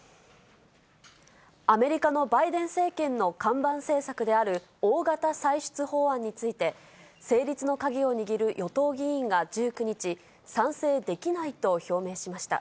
アメリカのバイデン政権の看板政策である大型歳出法案について、成立の鍵を握る与党議員が１９日、賛成できないと表明しました。